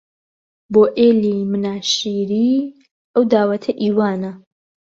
بۆ عێلی مناشیری ئەو داوەتە ئی وانە